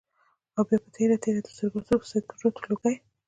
او بيا پۀ تېره تېره د سګرټو لوګی